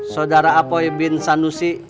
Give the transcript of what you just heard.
saudara apoi bin sanusi